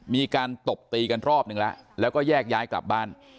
ตบตีกันรอบนึงแล้วแล้วก็แยกย้ายกลับบ้าน